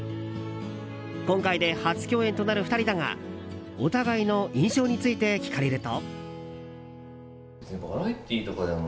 今回で初共演となる２人だがお互いの印象について聞かれると。